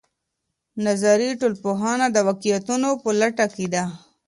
نظري ټولنپوهنه د واقعيتونو په لټه کې ده.